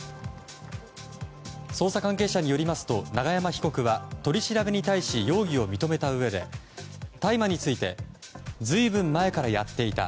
捜査関係者によりますと永山被告は取り調べに対し容疑を認めたうえで大麻について随分前からやっていた。